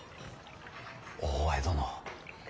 大江殿。